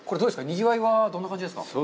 にぎわいはどんな感じですか。